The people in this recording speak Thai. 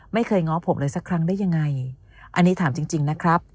ไม่เคยง้อผมเลยสักครั้งได้ยังไงอันนี้ถามจริงจริงนะครับ